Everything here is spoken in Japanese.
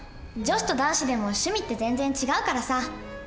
女子と男子でも趣味って全然違うからさ。